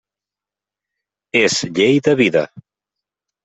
És llei de vida.